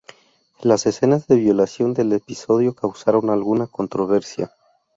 Las escenas de violación del episodio causaron alguna controversia.